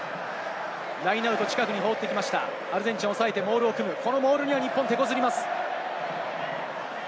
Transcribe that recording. ラインアウト、近くに放ってました、アルゼンチンを抑えてモールを組む、このモールには日本、てこずります。